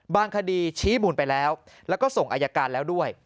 คดีชี้มูลไปแล้วแล้วก็ส่งอายการแล้วด้วย